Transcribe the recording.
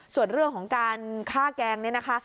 ส่วนเรื่องของการฆ่าแกงเนี่ยนะคะ